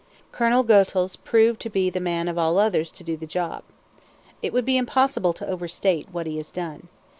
Colonel Goethals proved to be the man of all others to do the job. It would be impossible to overstate what he has done.